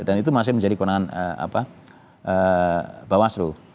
dan itu masih menjadi kewenangan mbak waslu